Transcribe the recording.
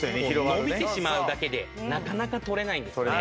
伸びてしまうだけでなかなか取れないんですね。